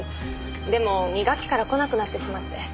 でも二学期から来なくなってしまって。